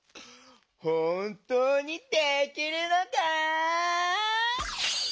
ほんとうにできるのか？